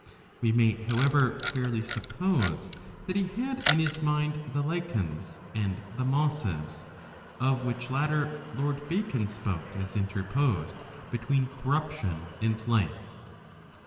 We may, however, fairly suppose that he had in his mind the Lichens and the Mosses, of which latter Lord Bacon spoke as interposed between corruption and life.''